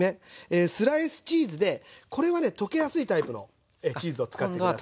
スライスチーズでこれはね溶けやすいタイプのチーズを使って下さい。